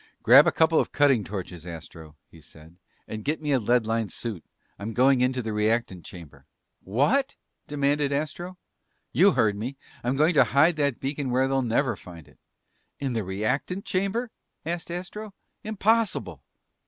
"Grab a couple of cutting torches, Astro," he said, "and get me a lead lined suit. I'm going into the reactant chamber." "What?" demanded Astro. "You heard me! I'm going to hide that beacon where they'll never find it." "In the reactant chamber?" asked Astro. "Impossible!"